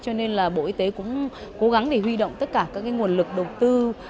cho nên là bộ y tế cũng cố gắng để huy động tất cả các nguồn lực đầu tư